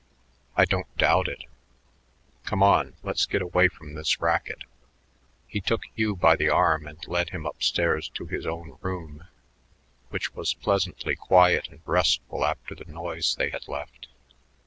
"I don't doubt it. Come on; let's get away from this racket." He took Hugh by the arm and led him up stairs to his own room, which was pleasantly quiet and restful after the noise they had left.